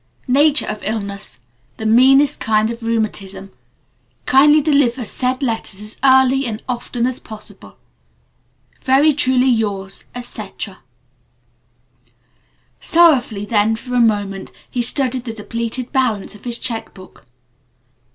Nature of illness: The meanest kind of rheumatism. Kindly deliver said letters as early and often as possible! "Very truly yours, etc." Sorrowfully then for a moment he studied the depleted balance in his check book.